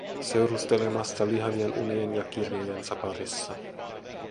Seurustelemasta lihavien unien ja kirjojensa parissa.